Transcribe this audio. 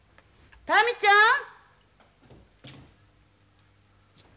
民ちゃん！